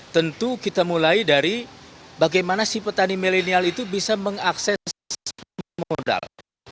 tentu kita mulai dari bagaimana si petani milenial itu bisa mengakses modal